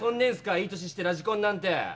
いい年してラジコンなんて！